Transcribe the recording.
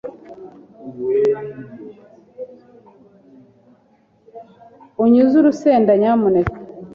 Unyuze urusenda, nyamuneka.